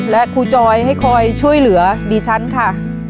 และครูจอยให้คอยช่วยเหลือดิฉันค่ะ